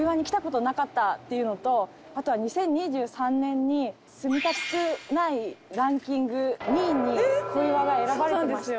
あとは２０２３年に住みたくないランキング２位に小岩が選ばれてまして。